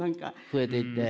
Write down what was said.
増えていって？